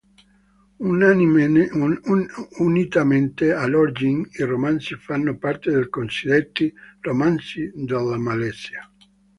Unitamente a Lord Jim i romanzi fanno parte dei cosiddetti "Romanzi della Malesia".